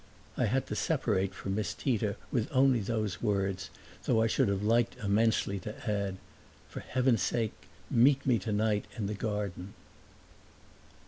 I had to separate from Miss Tita with only those words, though I should have liked immensely to add, "For heaven's sake meet me tonight in the garden!"